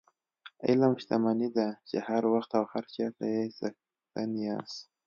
علم شتمني ده چې هر وخت او هر چېرته یې څښتن یاست.